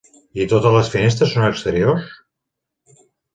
I totes les finestres són exteriors?